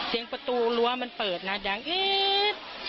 เสียงประตูรั้วมันเปิดนะดังอี๊ด